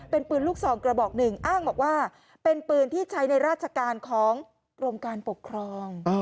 เป็นปืนลูกซองกระบอกหนึ่งอ้างบอกว่าเป็นปืนที่ใช้ในราชการของกรมการปกครอง